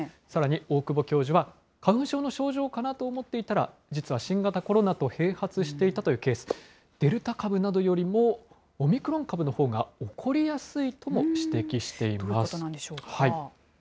さらに大久保教授は、花粉症の症状かなと思っていたら、実は新型コロナと併発していたというケース、デルタ株などよりもオミクロン株のほうが起こりやすいとも指摘しどういうことなんでしょうか。